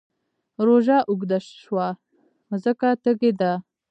روژه اوږده شوه مځکه تږې ده